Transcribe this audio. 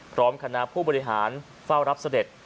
พร้อมคณะผู้บริหารเฝ้ารับเสด็จ